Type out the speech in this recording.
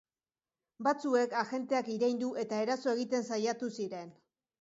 Batzuek agenteak iraindu eta eraso egiten saiatu ziren.